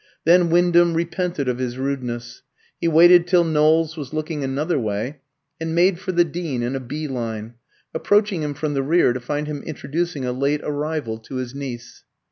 Then Wyndham repented of his rudeness. He waited till Knowles was looking another way, and made for the Dean in a bee line, approaching him from the rear to find him introducing a late arrival to his niece.